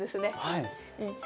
はい。